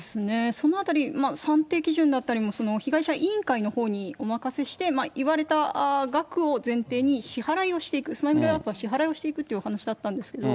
そのあたり、算定基準だったり、被害者委員会のほうにお任せして、言われた額を前提に支払いをしていく、スマイルアップは支払いをしていくってお話だったんですけど、